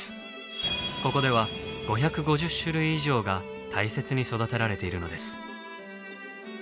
ここでは５５０種類以上が大切に育てられているのです。